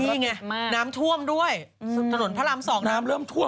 นี่ไงน้ำท่วมด้วยถนนพระรามสองน้ำเริ่มท่วม